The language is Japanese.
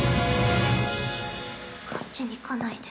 こっちに来ないで。